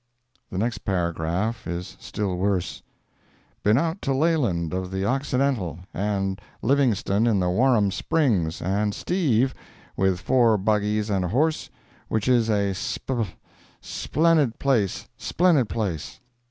The next paragraph is still worse: "Been out to Leland of the Occidental, and Livingston in the Warrum Springs, and Steve, with four buggies and a horse, which is a sp splennid place splennid place."